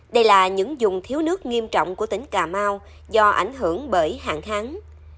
đây là những dùng thiếu nước nghiêm trọng của tỉnh cà mau do ảnh hưởng bởi hạn kháng